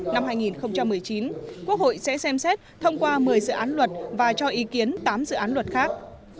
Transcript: năm hai nghìn một mươi chín quốc hội sẽ xem xét thông qua một mươi dự án luật và cho ý kiến tám dự án luật khác